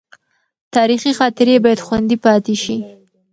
تاریخي خاطرې باید خوندي پاتې شي.